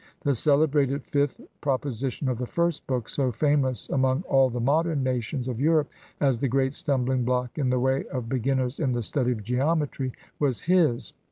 The celebrated fifth proposi tion of the first book, so famous among all the modern nations of Europe as the great stumbHng block in the way of beginners in the study of geometry, was his.